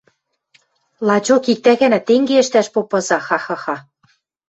— Лачок, иктӓ-гӓнӓ тенге ӹштӓш попаза, ха-ха-ха!..